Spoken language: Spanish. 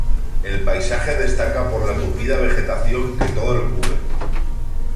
El paisaje destaca por la tupida vegetación que todo lo cubre.